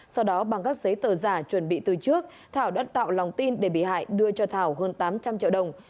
sau đó bằng các giấy tờ giả chuẩn bị từ trước thảo đã tạo lòng tin để bị hại đưa cho thảo hơn tám trăm linh triệu đồng